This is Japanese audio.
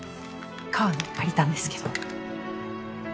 川野に借りたんですけど。